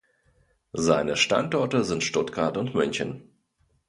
Seine Standorte sind Stuttgart und München.